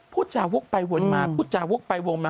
พูดจาวกไปวนมาพูดจาวกไปวนมา